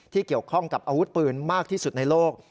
เกี่ยวข้องกับอาวุธปืนมากที่สุดในโลก